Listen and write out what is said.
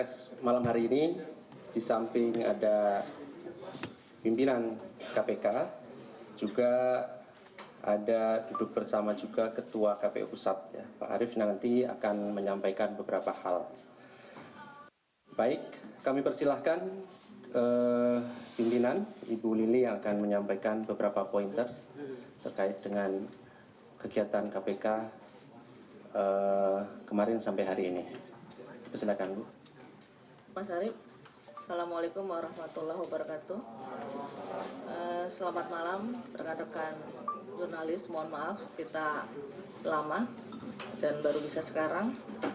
selamat malam perhatikan jurnalis mohon maaf kita lama dan baru bisa sekarang